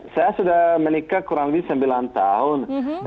saya sudah menikah kurang lebih sembilan tahun